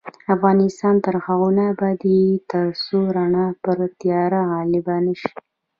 افغانستان تر هغو نه ابادیږي، ترڅو رڼا پر تیاره غالبه نشي.